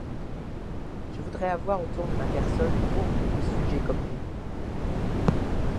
Je voudrais avoir autour de ma personne beaucoup de sujets comme lui.